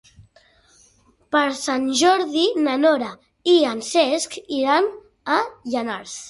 Per Sant Jordi na Nora i en Cesc iran a Llanars.